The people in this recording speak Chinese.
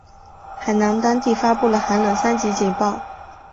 海南当地发布了寒冷三级警报。